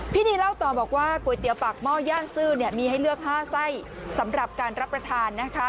นีเล่าต่อบอกว่าก๋วยเตี๋ยวปากหม้อย่านซื่อมีให้เลือก๕ไส้สำหรับการรับประทานนะคะ